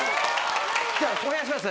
じゃお願いします。